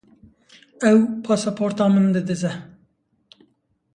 Ew passworda min didize